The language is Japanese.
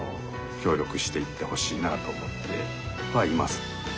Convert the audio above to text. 協力していってほしいなと思ってはいます。